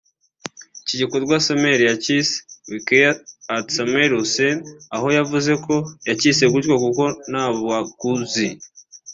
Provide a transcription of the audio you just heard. Iki gikorwa Sameer yacyise “We care at Sameer Hussein” aho yavuze ko yacyise gutyo kuko nta baguzi